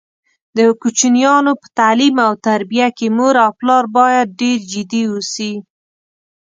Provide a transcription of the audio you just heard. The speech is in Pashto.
د کوچینیانو په تعلیم او تربیه کې مور او پلار باید ډېر جدي اوسي.